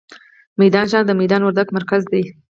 میدان ښار، د میدان وردګ مرکز دی.